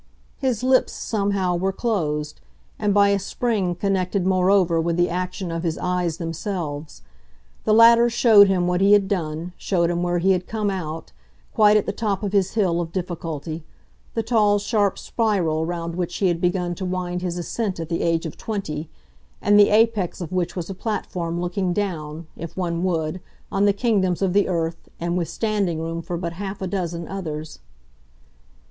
His lips, somehow, were closed and by a spring connected moreover with the action of his eyes themselves. The latter showed him what he had done, showed him where he had come out; quite at the top of his hill of difficulty, the tall sharp spiral round which he had begun to wind his ascent at the age of twenty, and the apex of which was a platform looking down, if one would, on the kingdoms of the earth and with standing room for but half a dozen others.